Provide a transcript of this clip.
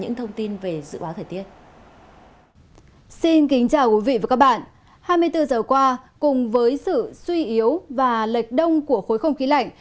hai mươi bốn giờ qua cùng với sự suy yếu và lệch đông của khối không khí lạnh